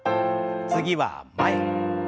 次は前。